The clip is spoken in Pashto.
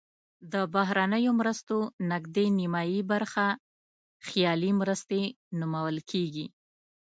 د بهرنیو مرستو نزدې نیمایي برخه خیالي مرستې نومول کیږي.